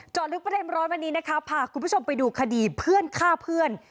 ลึกประเด็นร้อนวันนี้นะคะพาคุณผู้ชมไปดูคดีเพื่อนฆ่าเพื่อน